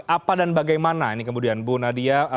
apa dan bagaimana ini kemudian bu nadia